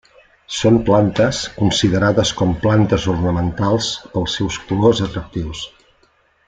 Són plantes considerades com plantes ornamentals pels seus colors atractius.